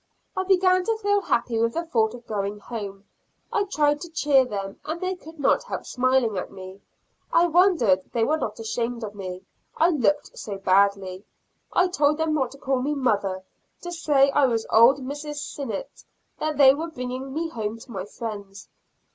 I began to feel happy with the thought of going home. I tried to cheer them, and they could not help smiling at me. I wondered they were not ashamed of me, I looked so badly. I told them not to call me mother, to say I was old Mrs. Sinnett; that they were bringing me home to my friends.